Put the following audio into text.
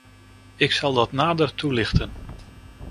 Ik zal dat nader toelichten.